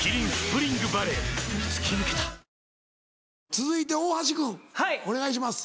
続いて大橋君お願いします。